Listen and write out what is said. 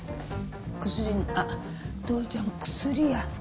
薬、あっ、父ちゃん、薬や。